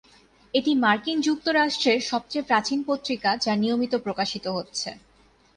এটি মার্কিন যুক্তরাষ্ট্রের সবচেয়ে প্রাচীন পত্রিকা যা নিয়মিত প্রকাশিত হচ্ছে।